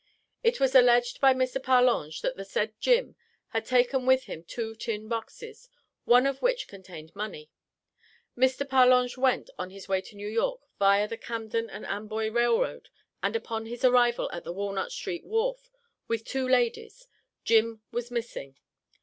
It was alleged by Mr. Parlange that the said "Jim" had taken with him two tin boxes, one of which contained money. Mr. Parlange went, on his way to New York, viâ the Camden and Amboy Railroad, and upon his arrival at the Walnut street wharf, with two ladies, "Jim" was missing.